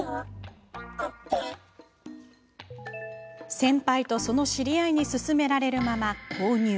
先輩と、その知り合いに勧められるまま購入。